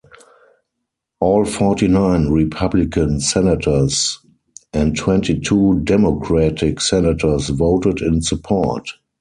All forty-nine Republican Senators and twenty-two Democratic Senators voted in support.